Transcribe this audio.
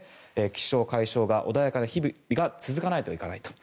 気象・海象が穏やかな日々が続かないといけないと。